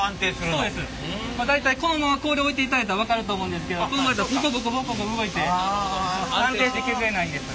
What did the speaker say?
大体このまま氷を置いていただいたら分かると思うんですけどこのままやったらボコボコボコボコ動いて安定して削れないんです。